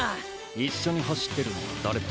一緒に走ってるのは誰だ？